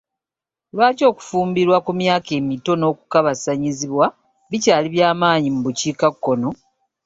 Lwaki okufumbirwa ku myaka emito n'okukabasannyizibwa bikyaali by'amaanyi mu bukiikakkono?